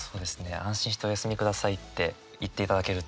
「安心してお休み下さい」って言っていただけると。